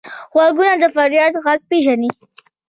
غوږونه د فریاد غږ پېژني